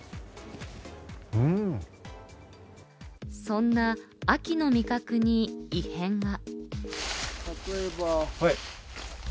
そんな秋の味覚に異変が。